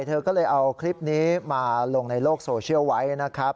เธอก็เลยเอาคลิปนี้มาลงในโลกโซเชียลไว้นะครับ